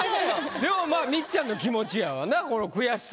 でもみっちゃんの気持ちやわなこの悔しさっていうのは。